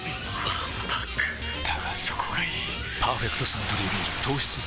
わんぱくだがそこがいい「パーフェクトサントリービール糖質ゼロ」